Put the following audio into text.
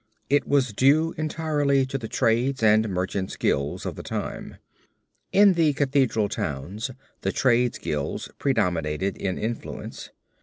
It was due entirely to the trades' and merchants' guilds of the time. In the cathedral towns the trades' guilds preponderated in influence.